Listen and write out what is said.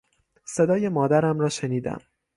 صدای مادرم را شنیدم.